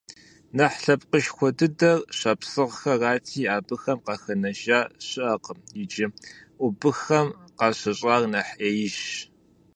Нэхъ лъэпкъышхуэ дыдэр шапсыгъхэрати, абыхэм къахэнэжа щыӀэкъым иджы, убыххэм къащыщӀар нэхъ Ӏеижщ.